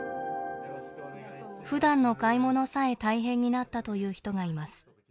ふだんの買い物さえ大変になったという人がいます。